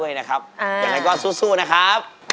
ยังไงก็สู้นะครับ